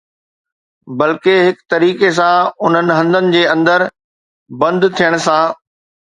بلڪه، هڪ طريقي سان، انهن هنڌن جي اندر بند ٿيڻ سان